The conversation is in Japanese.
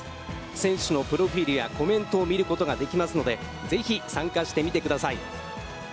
選手のプロフィールやコメントを見ることができますので、是非、参加してみてください。